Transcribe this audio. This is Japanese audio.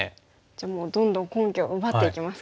じゃあどんどん根拠を奪っていきますか。